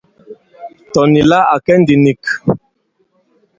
Tɔ̀ nì la à kɛ ndī nik.